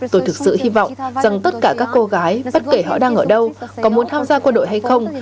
tôi thực sự hy vọng rằng tất cả các cô gái bất kể họ đang ở đâu có muốn tham gia quân đội hay không